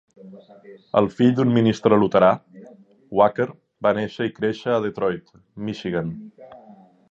El fill d'un ministre luterà, Wacker, va néixer i créixer a Detroit, Michigan.